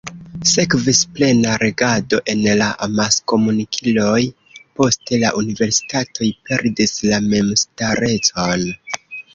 Sekvis plena regado en la amaskomunikiloj, poste la universitatoj perdis la memstarecon.